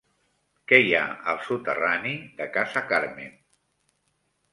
Què hi ha al soterrani de Casa Carmen?